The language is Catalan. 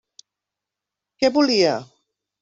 Què volia?